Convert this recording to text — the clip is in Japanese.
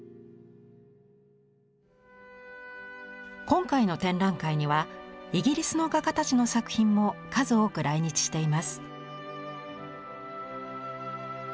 今回の展覧会にはイギリスの画家たちの作品も数多く来日しています。